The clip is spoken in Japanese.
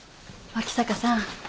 脇坂さん。